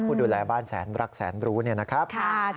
ดูแลบ้านแสนรักแสนรู้เนี่ยนะครับ